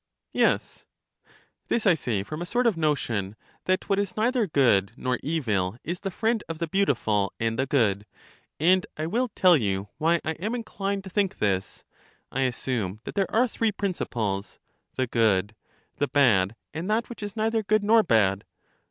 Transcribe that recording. Yes. This I say from a sort of notion that what is neither good nor evil is the friend of the beautiful and the good, and I will tell you why I am inclined to think this : I assume that there are three principles — the good, the bad, and that which is neither good nor bad.